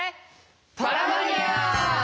パラマニア！